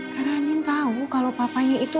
karena andin tahu kalau papanya itu